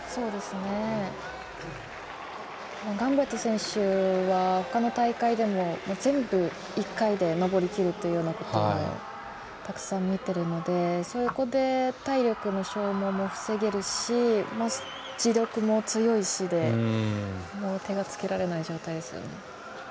ガンブレット選手は他の大会でも全部、１回で登りきるっていうこともたくさん見ているのでそこで体力の消耗も防げるし、地力も強いしで手がつけられない状態ですよね。